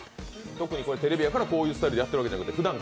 特にテレビやからこういうスタイルでやってるわけではなくて。